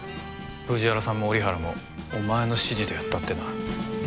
藤原さんも折原もお前の指示でやったってな。